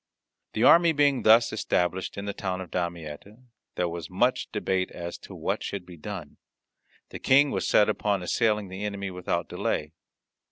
The army being thus established in the town of Damietta, there was much debate as to what should be done. The King was set upon assailing the enemy without delay.